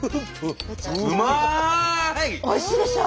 おいしいでしょ？